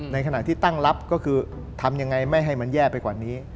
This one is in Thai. ในขณะที่ตั้งรับก็คือทำยังไงไม่ให้มันแย่ไปกว่านี้